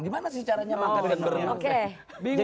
gimana sih caranya makan dan berenang